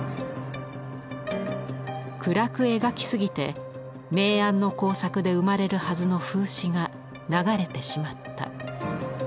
「暗く描きすぎて明暗の交錯で生まれるはずの風刺が流れてしまった」。